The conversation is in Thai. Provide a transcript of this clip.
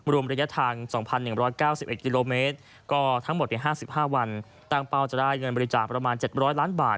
รวมระยะทาง๒๑๙๑กิโลเมตรก็ทั้งหมด๕๕วันตั้งเป้าจะได้เงินบริจาคประมาณ๗๐๐ล้านบาท